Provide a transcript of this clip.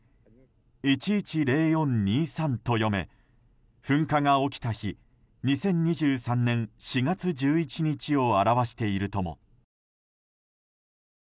「１１０４２３」と読め噴火が起きた日２０２３年４月１１日を表しているとも。